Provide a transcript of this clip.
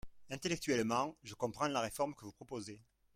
Intellectuellement, je comprends la réforme que vous proposez.